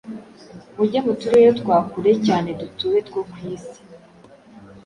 Mujye mu turere twa kure cyane dutuwe two ku isi,